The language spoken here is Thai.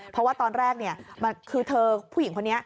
เพราะว่าตอนแรกคือเธอผู้หญิงคนนี้